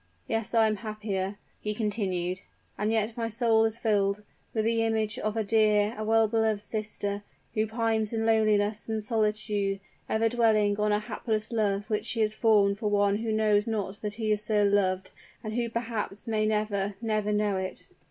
"Yes, I am happier," he continued "and yet my soul is filled with the image of a dear, a well beloved sister, who pines in loneliness and solitude, ever dwelling on a hapless love which she has formed for one who knows not that he is so loved, and who perhaps may never never know it."